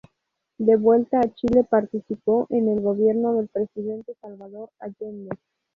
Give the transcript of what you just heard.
De vuelta a Chile participó en el gobierno del Presidente Salvador Allende.